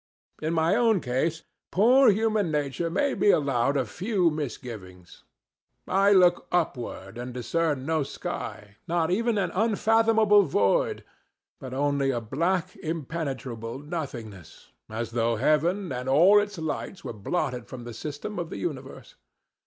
In my own case poor human nature may be allowed a few misgivings. I look upward and discern no sky, not even an unfathomable void, but only a black, impenetrable nothingness, as though heaven and all its lights were blotted from the system of the universe.